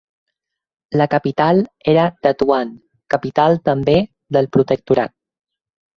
La capital era Tetuan, capital també del protectorat.